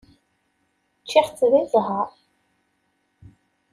Ččiɣ-tt deg zzheṛ.